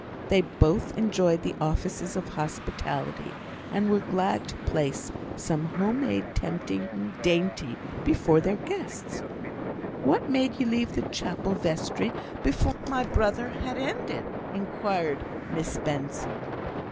They both enjoyed the offices of hospitality; and were glad to place some home made tempting dainty before their guests. "What made ye leave the chapel vestry before my brother had ended?" inquired Miss Benson.